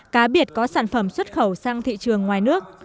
cá biệt có sản phẩm xuất khẩu sang thị trường ngoài nước